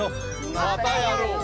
またやろう！